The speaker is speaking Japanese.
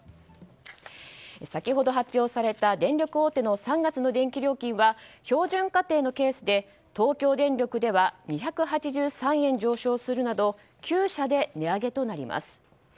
先ほど発表された電力大手の３月の電気料金は標準家庭のケースで東京電力は２８３円が上昇するなど９社で値上げとなります。